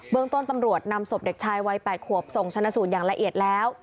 เมืองต้นตำรวจนำศพเด็กชายวัย๘ขวบส่งชนะสูตรอย่างละเอียดแล้ว